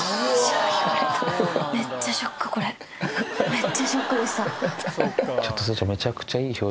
めっちゃショックでした。